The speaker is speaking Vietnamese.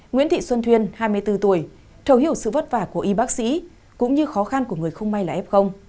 nguyễn thị xuân thuyên hai mươi bốn tuổi thấu hiểu sự vất vả của y bác sĩ cũng như khó khăn của người không may là f